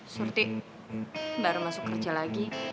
surti baru masuk kerja lagi